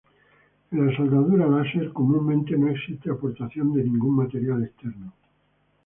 En la soldadura láser comúnmente no existe aportación de ningún material externo.